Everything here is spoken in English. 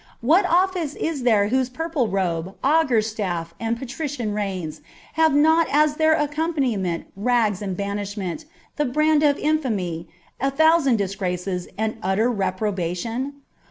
what office is there whose purple robe, augur's staff, and patrician reins have not as their accompaniment rags and banishment, the brand of infamy, a thousand disgraces, and utter reprobation